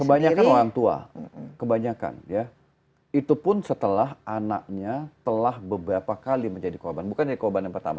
kebanyakan orang tua kebanyakan ya itu pun setelah anaknya telah beberapa kali menjadi korban bukan jadi korban yang pertama